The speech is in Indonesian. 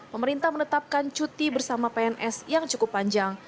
pemerintah menetapkan cuti bersama pns yang cukup panjang